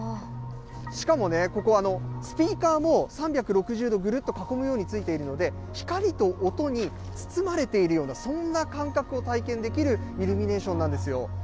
しかもね、ここ、スピーカーも、３６０度ぐるっと囲むようについているので、光と音に包まれているような、そんな感覚を体験できるイルミネーションなんですよ。